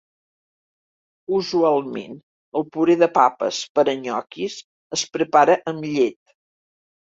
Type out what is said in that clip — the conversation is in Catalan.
Usualment el puré de papes per a nyoquis es prepara amb llet.